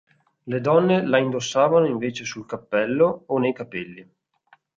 Le donne la indossavano invece sul cappello o nei capelli.